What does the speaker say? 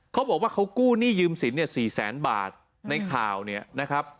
เขาบอกว่าเขากู้หนี้ยืมสินเนี่ย๔แสนบาทในข่าวเนี่ยนะครับ